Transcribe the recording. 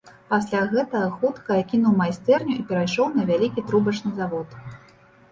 Пасля гэтага хутка я кінуў майстэрню і перайшоў на вялікі трубачны завод.